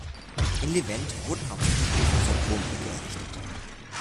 In Levent werden hauptsächlich Hochhäuser und Wohnblöcke errichtet.